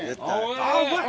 あっうまい！